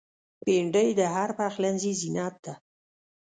بېنډۍ د هر پخلنځي زینت ده